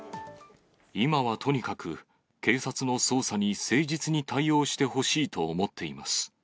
今はとにかく、警察の捜査に誠実に対応してほしいと思っています。